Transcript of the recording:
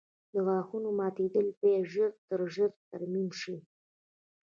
د غاښونو ماتېدل باید ژر تر ژره ترمیم شي.